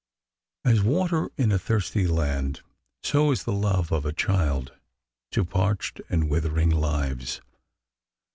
As water in a thirsty land, so is the love of a child to parched and withering lives.